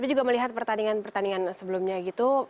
kita melihat pertandingan pertandingan sebelumnya gitu